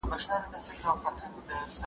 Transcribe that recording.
دا د هغو پښتنو ژبه ده.